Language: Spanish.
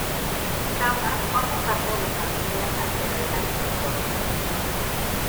Tama forma parte de la familia asteroidal de Flora.